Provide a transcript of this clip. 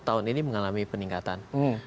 tahun ini mengalami peningkatan